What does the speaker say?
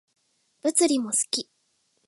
物理も好き